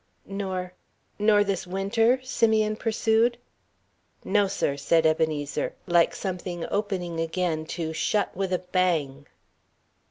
"Nor nor this Winter?" Simeon pursued. "No, sir," said Ebenezer, like something opening again to shut with a bang.